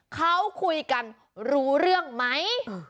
เขาคุยกันรู้เรื่องไหม